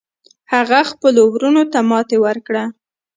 هغه خپلو وروڼو ته ماتې ورکړه.